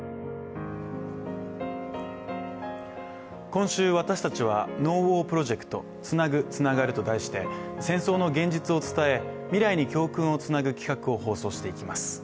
今週私たちは、「ＮＯＷＡＲプロジェクトつなぐ、つながる」と題して戦争の現実を伝え、未来に教訓をつなぐ企画を放送していきます。